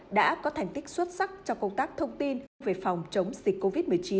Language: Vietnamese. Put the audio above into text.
đã có thành tích xuất sắc trong công tác thông tin về phòng chống dịch covid một mươi chín